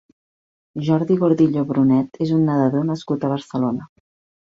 Jordi Gordillo Brunet és un nedador nascut a Barcelona.